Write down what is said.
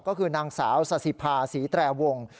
ก็คือนางสาวสาธิภาษีแตรวง